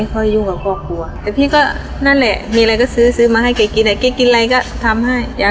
ตรงนี้แหละ